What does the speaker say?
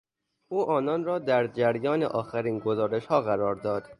او آنان را در جریان آخرین گزارشها قرار داد.